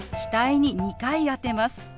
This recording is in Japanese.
額に２回当てます。